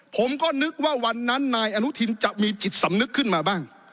ผมก็นึกว่าวันนั้นนายอนุทินจะมีจิตสำนึกขึ้นมาบ้าง